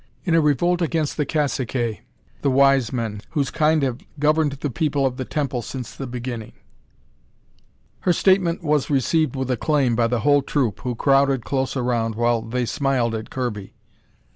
"In a revolt against the caciques the wise men whose kind have governed the People of the Temple since the beginning." Her statement was received with acclaim by the whole troop, who crowded close around, the while they smiled at Kirby.